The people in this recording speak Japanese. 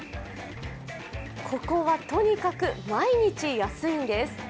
ここはとにかく毎日安いんです。